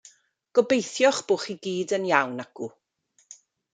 Gobeithio'ch bod chi gyd yn iawn acw.